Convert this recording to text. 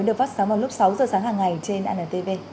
được phát sóng vào lúc sáu giờ sáng hàng ngày trên antv